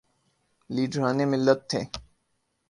لیڈران ملت تھے۔